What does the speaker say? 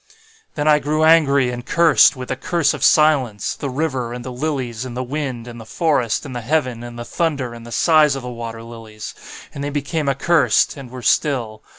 "Then I grew angry and cursed, with the curse of silence, the river, and the lilies, and the wind, and the forest, and the heaven, and the thunder, and the sighs of the water lilies. And they became accursed, and were still.